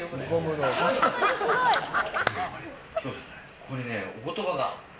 ここにお言葉が。